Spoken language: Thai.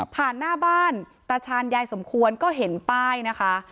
หน้าบ้านตาชาญยายสมควรก็เห็นป้ายนะคะ